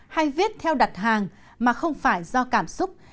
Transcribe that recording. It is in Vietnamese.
hay viết theo đặt hàng mà không phải do cảm xúc